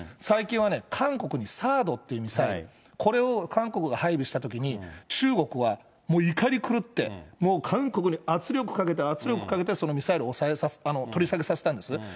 最近はね、韓国にＴＨＡＡＤってミサイル、これを韓国が配備したときに、中国は、もう怒り狂って、もう韓国に圧力かけて、圧力かけて、そのミサイルを取り下げさせたんです。